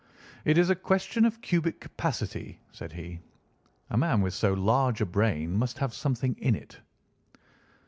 "It is a question of cubic capacity," said he; "a man with so large a brain must have something in it."